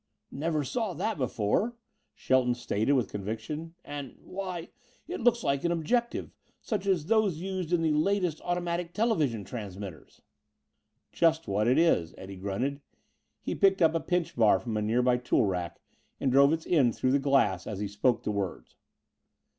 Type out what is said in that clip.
"Never saw that before," Shelton stated with conviction. "And why it looks like an objective such as those used in the latest automatic television transmitters." "Just what it is," Eddie grunted. He picked up a pinch bar from a nearby tool rack and drove its end through the glass as he spoke the words.